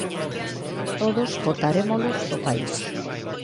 E entre todos botarémolos do país.